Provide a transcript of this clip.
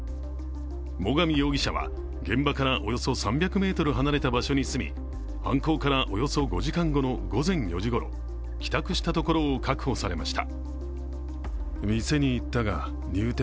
最上容疑者は現場からおよそ３００ｍ離れた場所に住み、犯行からおよそ５時間後の午前４時ごろ、帰宅したところを確保されました。